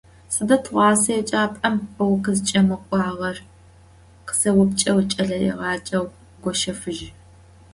«Сыда тыгъуасэ еджапӀэм укъызкӀэмыкӀуагъэр?», -къысэупчӀыгъ кӀэлэегъаджэу Гощэфыжь.